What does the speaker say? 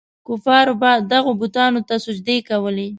کفارو به دغو بتانو ته سجدې کولې.